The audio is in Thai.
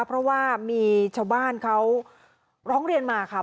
เพราะว่ามีชาวบ้านเขาร้องเรียนมาค่ะ